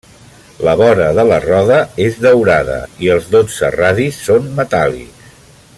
La vora de la roda és daurada, i els dotze radis són metàl·lics.